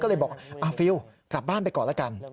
ก็เลยบอกฟิลกลับบ้านไปก่อนละกัน